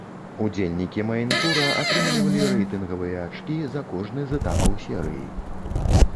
Удзельнікі мэйн-тура атрымлівалі рэйтынгавыя ачкі за кожны з этапаў серыі.